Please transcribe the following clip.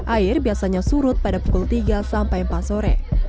air biasanya surut pada pukul tiga sampai empat sore